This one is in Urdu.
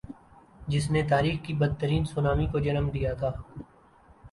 جس نی تاریخ کی بدترین سونامی کو جنم دیا تھا۔